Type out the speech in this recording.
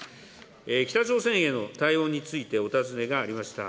北朝鮮への対応についてお尋ねがありました。